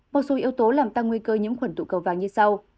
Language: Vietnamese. một số yếu tố làm tăng nguy cơ nhiễm khuẩn tụ cầu vàng như sau